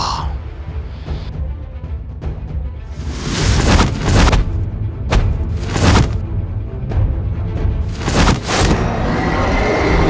aku harus menggunakan jurus dagak puspa